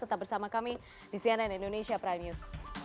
tetap bersama kami di cnn indonesia prime news